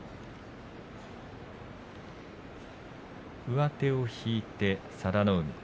上手を引いて佐田の海。